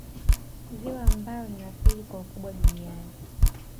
Ziwa ambalo ni la pili kwa ukubwa duniani